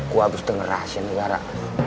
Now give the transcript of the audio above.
gue harus denger rahasia negara